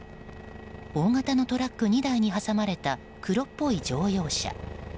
大型のトラック２台に挟まれた黒っぽい乗用車。